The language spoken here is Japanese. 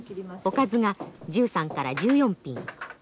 おかずが１３から１４品。